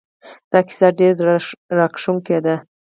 دا کیسه ډېره زړه راښکونکې ده